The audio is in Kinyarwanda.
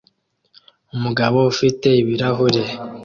Umugabo ufite ibirahure